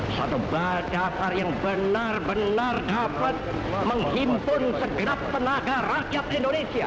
satu badan yang benar benar dapat menghimpun segera tenaga rakyat indonesia